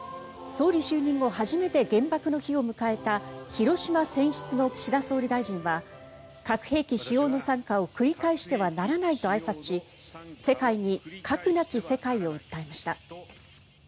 総理就任後初めて原爆の日を迎えた広島選出の岸田総理大臣は核兵器使用の惨禍を繰り返してはならないとあいさつし世界に核なき世界を訴えました。